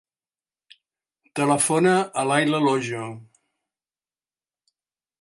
Telefona a l'Ayla Lojo.